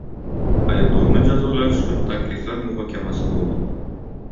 Aybdorni jazolash uchun takliflar muhokamasi bo‘ldi.